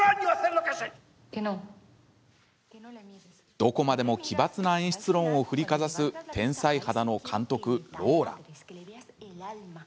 どこまでも奇抜な演出論を振りかざす天才肌の監督ローラ。